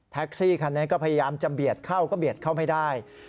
ซี่คันนี้ก็พยายามจะเบียดเข้าก็เบียดเข้าไม่ได้